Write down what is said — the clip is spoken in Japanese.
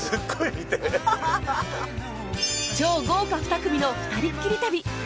超豪華２組のふたりっきり旅